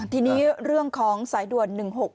ทีนี้เรื่องของสายด่วน๑๖๖